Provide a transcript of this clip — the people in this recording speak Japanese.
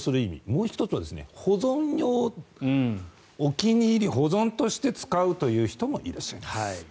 もう１つは保存用お気に入り、保存として使うという人もいらっしゃいます。